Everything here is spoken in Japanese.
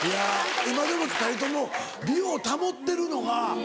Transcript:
今でも２人とも美を保ってるのが。